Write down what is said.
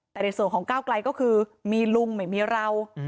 ในส่วนของก้ากล่ายก็คือมีลุงไม่มีเรา